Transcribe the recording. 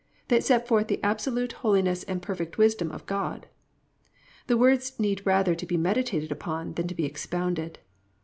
They set forth the Absolute Holiness and Perfect Wisdom of God. The words need rather to be meditated upon than to be expounded.